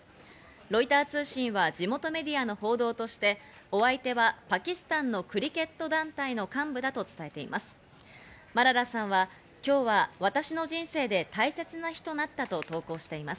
ロイター通信は地元メディアの報道として、お相手はパキスタンのクリケット団体の幹部だと伝えています。